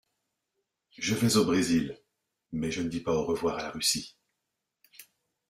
Je vais au Brésil, mais je ne dis pas au revoir à la Russie.